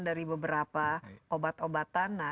dari beberapa obat obatan